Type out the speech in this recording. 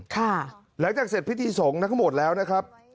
หลังจากเสร็จพิธีสงฆ์ทั้งหมดแล้วนะครับ